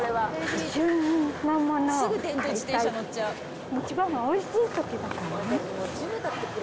一番おいしいときだからね。